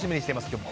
今日も。